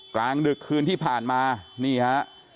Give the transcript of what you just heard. กลางดึกคืนที่ผ่านมานี่ฮะ